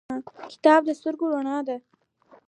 کتاب د سترګو رڼا ده